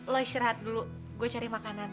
lo istirahat dulu gue cari makanan